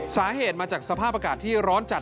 สาเหตุมาจากสภาพอากาศที่ร้อนจัด